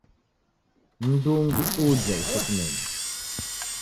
M'ndu ungi uja usekumenye.